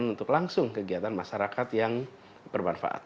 untuk langsung kegiatan masyarakat yang bermanfaat